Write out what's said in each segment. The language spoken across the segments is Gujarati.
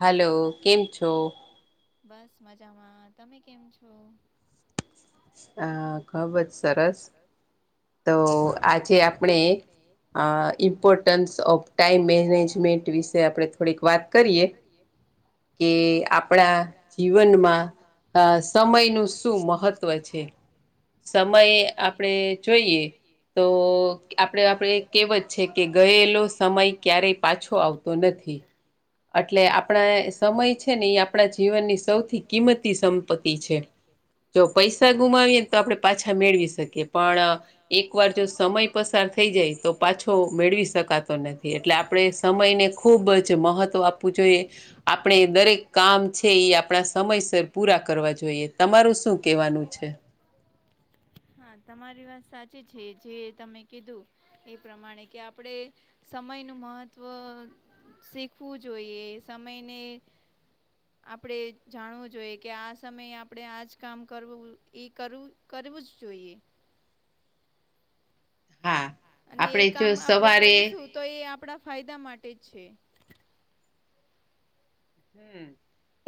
હલો કેમ છો? બસ મજામાં તમે કેમ છો? અ ખબ જ સરસ [inaudible] તો આજે આપણે uh importance of time management વિશે આપણે થોડીક વાત કરીએ કે આપણા જીવનમાં અ સમયનું શું મહત્વ છે સમય આપડે જોઈએ તો આપણે આપણે કેવત છે કે ગયેલો સમય ક્યારેય પાછો આવતો નથી એટલે આપણા સમય છે ને એ આપણા જીવનની સૌથી કિંમતી સંપત્તિ છે જો પૈસા ગુમાવીએને તો આપડે પાછા મેળવી શકીએ પણ એકવાર જો સમય પસાર થઈ જાય તો પાછો મેળવી શકાતો નથી એટલે આપણે સમયને ખૂબ જ મહત્વ આપ આપવુ જોઈએ આપણે દરેક કામ છે એ આપણા સમયસર પૂરા કરવા જોઈએ તમારું શું કહેવાનું છે હા તમારી વાત સાચી છે જે તમે કીધું એ પ્રમાણે કે આપણે સમયનું મહત્ત્વ શીખવું જોઈએ સમયને આપણે જાણવું જોઈએ કે આ સમયે આપણે આ જ કામ કરવું ઈ કરવું કરવું જ જોઈએ અને એ કામ આપણેે કરીશું તો એ આપણા ફાયદા માટે જ છે હમ્મ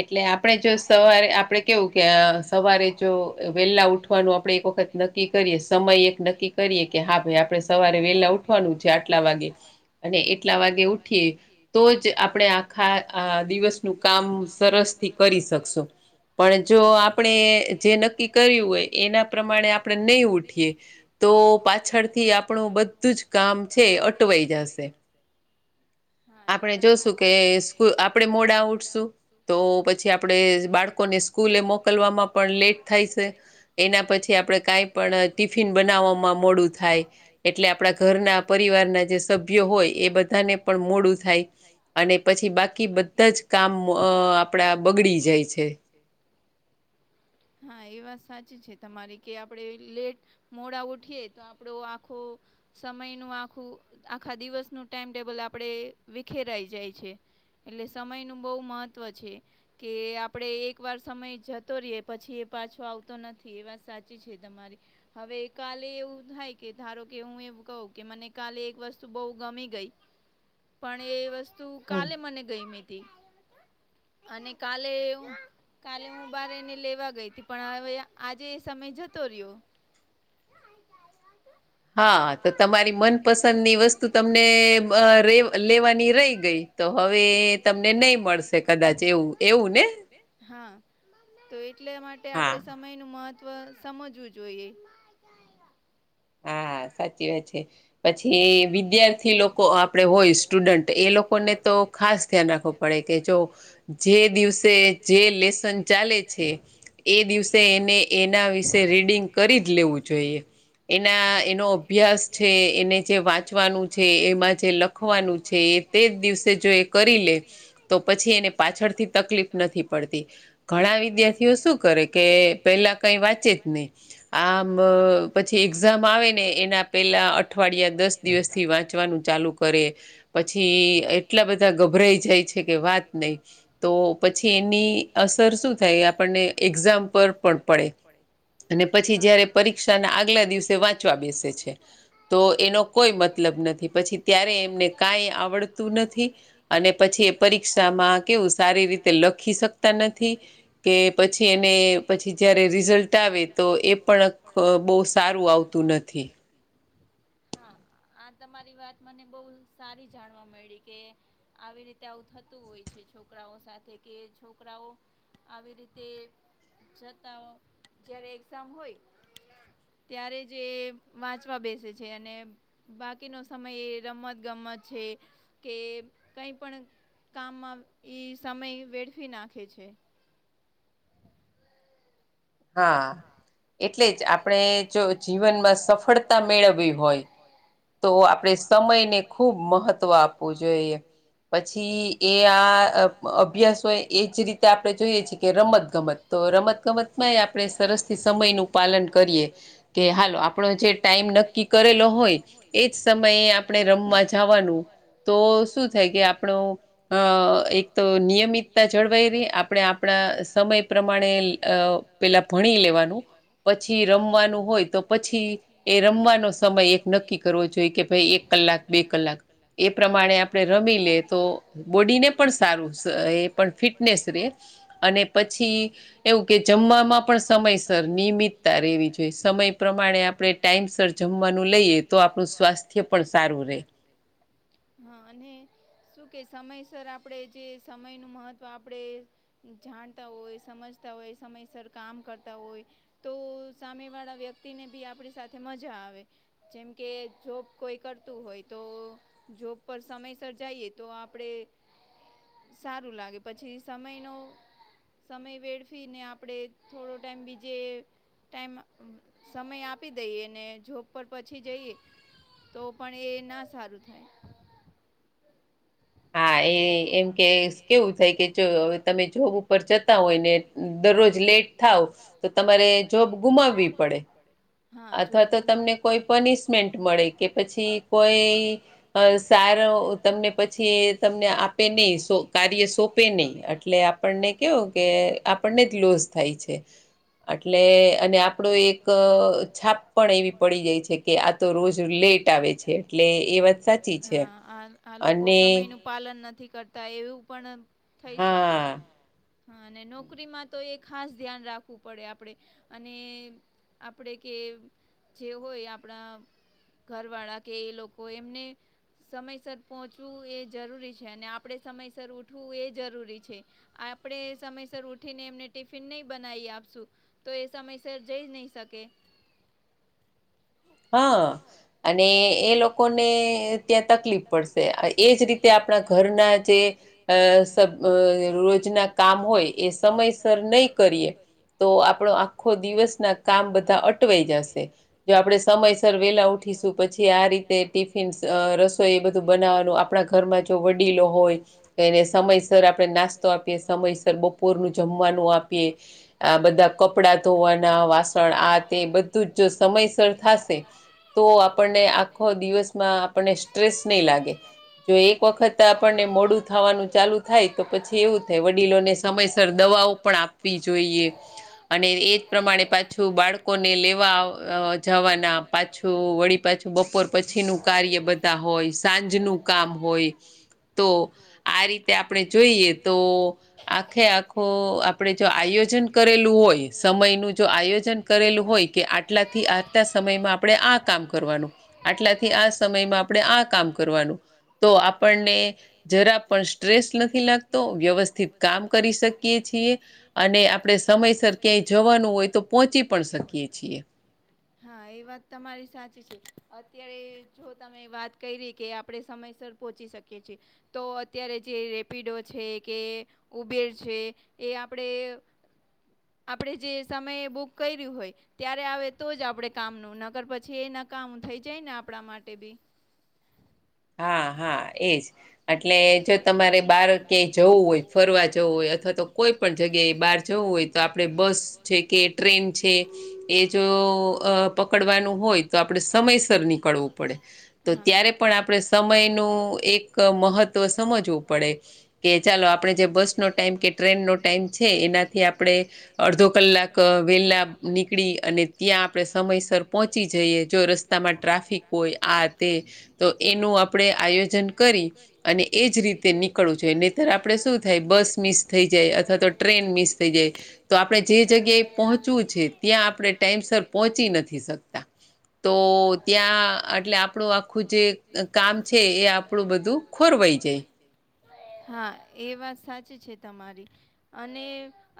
એટલે આપણે જો સવારે આપડે કેવું કે સવારે જો વેહેલા ઉઠવાનું આપડે એક વખત નક્કી નક્કી કરીએ સમય એક નક્કી કરીએ કે હા ભઈ આપણે સવારે વહેલા ઉઠવાનું છે આટલા વાગે અને એટલા વાગે ઉઠીએ તો જ આપણે આખા દિવસનું કામ સરસ સરસ થી કરી શકશે પણ જો આપણે જે નક્કી કર્યું હોય એના પ્રમાણે આપણે નહી ઉઠીએ તો પાછળથી આપણું બધું જ કામ છે અટવાઈ જશે હા એ વાત [unintelligible] જોશું કે આપડે મોડા [unintelligible] તો પછી આપડે બાળકોને સ્કૂલે મોકલવામાં પણ લેટ થાય છે. એના પછી આપડે કાઈ પણ ટિફિન બનાવવામાં મોડું થાય એટલે, આપણા ઘરના પરિવારના જે સભ્યો હોય એ બધાને પણ મોડું, થાય અને પછી બાકી બધા જ કામ અ આપડા બગડી જાય છે. હા એ વાત સાચી છે તમારી કે આપણે લેટ મોડા ઉઠીએ તો આપડો આખું, સમયનું આખું આખા દિવસનું ટાઈમટેબલ આપણેે વિખેરાઈ જાય છે. એટલે સમયનું બહુ મહત્વ છે. કે આપડે એક વાર સમય જતો રહે પછી એ પાછો આવતો નથી એ વાત સાચી છે તમારી, હવે કાલે એવું થાય કે ધારો કે હું એવું કહું કે મને કાલે એક વસ્તુ બહુ ગમી ગઈ. પણ એ વસ્તુ કાલે મને ગયમી હતી. અને કાલે હું, કાલે હું બહાર એને લેવા ગઈ હતી પણ હવે આજે એ સમય જતો રહ્યો. જાય [unintelligible] હા તો તમારી મનપસંદની વસ્તુ તમનેે બ લે લેવાની રહી ગઈ. તો હવે તમને નહી મળશે કદાચ એવું, એવું ને હા, તો એટલા માટે આપણે સમ્ સમય નું મહત્ત્વ સમજવું જોઈએ. હા સાચી વાત છે. પછી વિદ્યાર્થી લોકો આપણેે હોય સ્ટુડન્ટ એ લોકોને તો ખાસ, ધ્યાન રાખવું પડે કે જો જે દિવસે જે લેસન ચાલે છે. એ દિવસે એને એના વિશે રીડિંગ કરી જ લેવું જોઈએ. એના એનો અભ્યાસ છે. એને જે વાંચવાનું છે એમાં જે લખવાનું છે એ તે જ દિવસે જો એ કરી લે તો પછી એને પાછળથી તકલીફ નથી પડતી. ઘણા વિદ્યાર્થીઓ શું કરે કે પહેલા, કંઈ વાંચે જ નહી આમ પછી એક્ઝામ આવે ને એના પહેલા, અઠવાડિયા દસ દિવસ થી વાંચવાનું ચાલુ કરે પછી એટલા બધા ગભરાઈ, જાય છે કે વાંચે નહી તો પછી એની અસર શું થાય આપણને એક્ઝામ પર પણ પડે અને પછી જયારે પરીક્ષાના આગલા દિવસે વાંચવા બેસે છે. તો એનો કોઈ મતલબ નથી પછી ત્યારે એમને કાંઈ આવડતું નથી અને પછી પરીક્ષામાં કેવું સારી રીતે લખી શકતા નથી કે પછી એને પછી જયારે રિઝલ્ટ આવે તો એ પણ બહુ સારું આવતું આવતું નથી હા આ તમારી વાત મને બહુ સારી જાણવા મળી કે આવી રીતે આવું થતું હોય છે છોકરાઓ સાથે કે છોકરાઓ આવી રીતે જતા જ્યારે એક્ઝામ હોય ત્યારે જ એ વાંચવા બેસે છે અને બાકીનો સમય એ રમત ગમત છે કે કંઈ પણ કામમાં ઈ સમય વેડફી નાખે છે. હા એટલે જ આપણે જો જીવનમાં સફળતા મેળવવી હોય તો આપણેે સમયને ખૂબ મહત્વ આપવું જોઈએ. પછી, એ આ અભ્યાસ હોય એજ રીતે આપણે જોઈએ છીએ, કે રમત ગમત - - તો રમત ગમતમાં આપ- - ણે સરસ થી સમય નું પાલન કરીએ, કે હાલો આપડો જે ટાઈમ નક્કી કરેલો હોય- એજ સમયે આપણે રમવા જવાનું, તો શું થાય કે આપણો- -એક તો નિયમિતતા જળવાઈ રે, આપણે આપણા સમય પ્રમાણે પેલા- -ભણી લેવાનું, પછી રમવાનું હોય તો પછી એ રમવાનો સમય એક નક્કી- - કરવો જોઈ કે ભાઈ એક કલાક, બે કલાક એ પ્રમાણે આપણે રમી લે તો- -બોડીને પણ સારું. એ પણ ફિટનેસ રે, અને પછી એવું કે જમ- -વામાં પણ- -સમયસર નિયમિતતા રહેેવી જોઈએ, સમય પ્રમાણે આપણે ટાઈમસ જમવાનું લઈએ, તો આપણું સ્વાસ્થ્ય- - પણ સારું રહે. હા, અને શું કે, સમયસર આપણે જે સમયનું મહત્ત્વ આપડે- જાણતા હોય, સમજતા હોય, સમયસર કામ- -કરતા હોય તો સામે વાળા વ્યક્તિને બી આપણી સાથે મજા આવે. જેમ કે, જોબ કોઈ કરતું હોય તો- - જોબ પર સમયસર જઈએ તો આપડે- સારું લાગે, પછી સમયનો સમય વેડફીને આપણેે [inaudible] [inaudible] થોડો ટાઈમ બીજે [inaudible] ટાઈમ સમય આપી દઈએ, ને જોબ પર પછી જઈએ- [inaudible] તો પણ એ ના સારું થાય. હા, એ એમ કે કેવું થાય કે, જો તમે જોબ ઉપર જતા હોય ને- -દરરોજ લેટ થાવ, તો તમારે જોબ ગુમાવવી પડે. હા જોબ ગુમાવવી, તો તમને કોઈ પનિશમેન્ટ મળે કે પછી- સારો તમને પછી- પછી, તમને આપે નહી. કાર્ય સોંપે નહીં અટલે આપણને કેવું- -કે આપણને જ લોસ થાય છે. અટલે અને આપણો એક છાપ પણ એવી પડી જાય છે કે- -કે આ તો રોજ લેટ આવે છે. એટલે આ લોકો- સમય નું પાલન નથી કરતાં એવું પણ થઈ શકે. હા, અને નોકરીમાં તો એ ખાસ ધ્યાન રાખવું પડે આપણે અને આપડે કે જે હોય આપડા- -ઘરવાળા કે એ લોકો, એમને સમયસર પહોંચવું- -એ જરૂરી છે અને આપણે સમયસર ઉઠવું એય જરૂરી છે. આપણે સમયસર ઉઠીને એમને ટિફિન નહી બનાવી આપશું- તો એ સમયસર જઈ નહી શકે. હા, અને એ લોકોને ત્યાં તકલીફ પડશે. એજ રીતે આપણા ઘરના જે રોજના- -કામ હોય એ સમયસર નહી કરીએ- - તો આપણો આખો દિવસ ના કામ બધા અટવાઈ જશે. જો આપણેે- સમયસર વેલા ઉઠીશું, પછી આ રીતે ટિફિન્સ રસોઈ એ બધું બનાવ- - નું આપણા ઘરમાં જો વડીલો હોય, એને સમયસર આપણે નાસ્તો આપીએ સમયસર બ- -પોર નું જમવાનું આપીએ. આ બધા કપડા ધોવાના વાસણ આ તે બધુ- -જ સમયસર થાય- [inaudible] સરખાશે તો આપણને આખો દિવસમાં કો સ્ટ્રેસ નહીં લાગે [inaudible] જો એક વખત આપણને મોડું થવાનું ચાલુ થાય તો પછી એવું થાય વડીલોને સમયસર દવાઓ પણ આપવી જોઈએ અને એજ પ્રમાણે પાછું બાળકોને લેવા અ જવાના પાછું વળી પાછું બપોર પછી નું કાર્ય બધા હોય સાંજ નું કામ હોય તો આ રીતે આપડે જોઈએ તો આખે આખો આ પડે જો આયોજન કરેલું હોય સમયનું જો આયોજન કરેલું હોય કે આટલાથી આટ સમયમાં આપડે આ કામ કરવાનું આટલાથી આ સમયમાં આપડે આ કામ કરવાનું તો આપણને જરા પણ સ્ટ્રેસ નથી લાગતો વ્યવ સ્થિત કામ કરી શકીએ છીએ અને આપડે સમયસર ક્યાંય જવાનું હોય તો પહોંચી પણ શકીએ. છીએ. હા એ વાત તમારી સાચી છે અત્યારે જો તમે વાત કયરી કે આપ પડે સમયસર પહોંચી શકીએ છીએ. તો અત્યારે જે રેપિડો છે કે ઉબેર છે એ આપડે આપડે જે સમયે બુક કર્યું હોય ત્યારે આવે તો જ આપડે કામનું નકર પછી એ નકામુ થઈ જાય ને આપણા માટે બી. હા હા એજ. અટલે જો તમારે બાર ક્યાંય જવું હોય ફરવા જવું હોય અથવા તો કોઈ પણ જગ્યાએ બહાર જવું હોય તો આપડે બસ છે કે ટ્રેન છે એ જો અ પકડવાનું હોય તો આપડે સમયસર નીકળવું પડે તો ત્યારે પણ આપડે સમયનું એક મ મહત્ત્વ સમજવું પડે કે ચાલો આપડે જે બસનો ટાઈમ કે ટ્રેનનો ટાઈમ છે એનાથી આપડે અડધો કલાક વહેલા નીકળી અને ત્યાં આપડે સમયસર પહોંચી જઈએ જો રસ સ્તામાં ટ્રાફિક હોય આ તે તો એનું આપણડે આયોજન કરી અને એજ રીતે નીકળવું જોઇએ નહિતર આપડે શું થાય બસ મિસ થઈ જાય અથવા તો ટ્રેન મિસ થઈ જાય તો આપડે જે જગ્યાએ પહોંચવું છે ત્યાં આપડે ટાઈમસર પહોંચી નથી શકતા. તો ત્યાં અટલે આપડું આખું જે કામ છે એ આપડું બધું ખોરવાઈ જાય છે. હા એ વાત સાચી છે તમારી. અને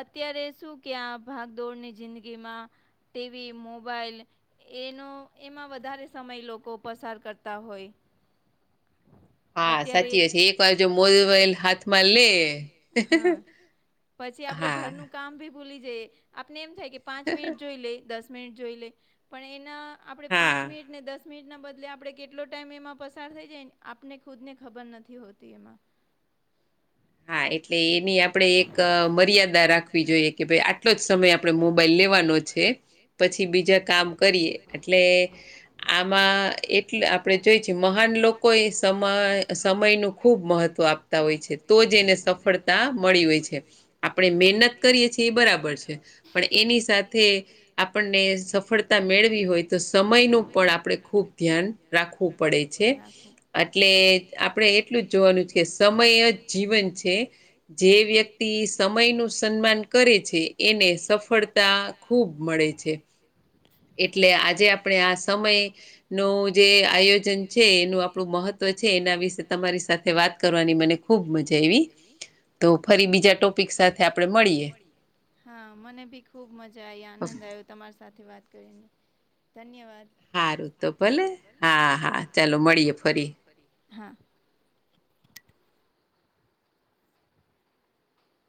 અત્યારે શું ક્યે આ ભાગદોડની જિંદગીમાં ટીવી, મોબાઈલ એનો એમાં વધારે સમય લોકો પસાર કરતા હોય. અત્યારે સાચી છે એક વાર મોલ બાઈલ હાથમાં લ્યે હા. પછી આપડે ઘરનું કામ ભી ભૂલી જઈએ. આપને એમ થાય કે પાંચ મિનિટ જોઈ લે દસ મિનિટ જોઈ લે પણ એના આપડે પાંચ મિનિટ ને દસ મિનિટના બદલે આપડે કેટલો ટાઈમ એમાં પસાર થઈ જાય ને આપને ખુદ ને ખબર નથી હોતી એમાં. હા એટલે એની આપડે એક મર્યાદા રાખવી જોઈએ કે ભાઈ આટલો જ સમય આપડે મોબાઈલ લેવાનો છે પછી બીજા કામ કરીએ એટલે આમાં એ થીલ આપડે જોઈ છે મહાન લોકો એ સમાય સમયનું ખૂબ મહત્વ આપતા હોય છે. તો જ એને સફળતા મળી હોય છે. આપડે મહેનત કરીએ છીએ એ બરાબર છે પણ એની સાથે આપણને સફળતા મેળવી હોય તો સમયનું પણ આપડે ખૂબ ધ્યાન રાખવું પડે છે અટલે આપડે એટલું જ જોવાનું જકે સમય જ જીવન છે. જે વ્યક્તિ સમય નું સન્માન કરે છે એને સફળતા ખૂબ મળે છે. ટે એટલે આજે આપડે આ સમય નું જે આયોજન છે એનું આપડું મહ એ તો છે એના વિશે તમારી સાથે વાત કરવાની મને મને ખુબ મજા આયવી તો ફરી બીજા ટોપિક સાથે આપણે મળીએ. હા મને બી ખૂબ મજા આવી આનંદ આવ્યો તમારી સાથે વાત કરીને. ધન્યવાદ હા તો ભલે હા હા ચાલો મળીએ ફરી હા